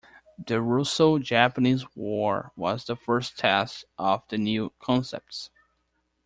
The Russo-Japanese War was the first test of the new concepts.